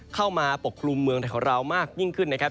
ปกครุมเมืองไทยของเรามากยิ่งขึ้นนะครับ